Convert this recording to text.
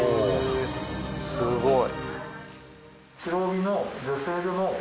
すごい。